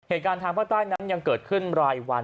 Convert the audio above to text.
เหตุการณ์ทางภาคใต้นั้นยังเกิดขึ้นรายวัน